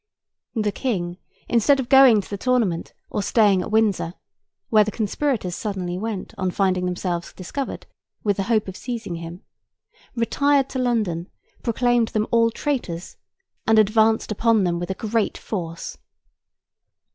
The King, instead of going to the tournament or staying at Windsor (where the conspirators suddenly went, on finding themselves discovered, with the hope of seizing him), retired to London, proclaimed them all traitors, and advanced upon them with a great force.